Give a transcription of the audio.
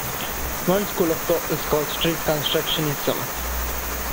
One school of thought is called strict constructionism.